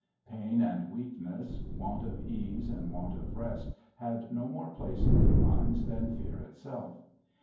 Pain and weakness, want of case and want of rest, had no more place in their minds than fear itself.